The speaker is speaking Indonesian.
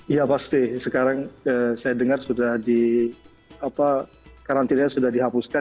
iya pasti sekarang saya dengar karantinanya sudah dihapuskan